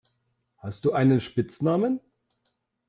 Hast du einen Spitznamen?